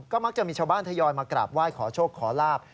มักจะมีชาวบ้านทยอยมากราบไหว้ขอโชคขอลาบ